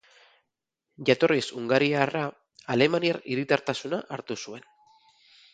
Jatorriz hungariarra, alemaniar hiritartasuna hartu zuen.